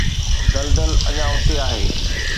دلدل اڃا اتي آهي